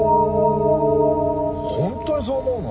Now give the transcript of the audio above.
本当にそう思うの？